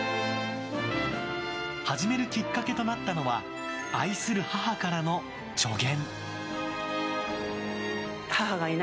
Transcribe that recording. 始めるきっかけとなったのは愛する母からの助言。